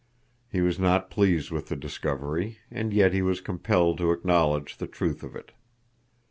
He was not pleased with the discovery, and yet he was compelled to acknowledge the truth of it.